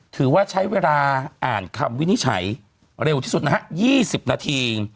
ถือว่าใช้เวลาอ่านคำวินิจฉัยเร็วที่สุดนะฮะ๒๐นาที